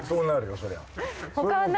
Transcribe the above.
そりゃ。